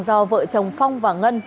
do vợ chồng phong và ngân